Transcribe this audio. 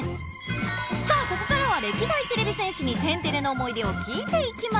さあここからは歴代てれび戦士に「天てれ」の思い出を聞いていきましょう！